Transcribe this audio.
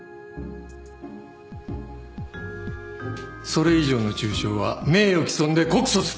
それ以上の中傷は名誉毀損で告訴する。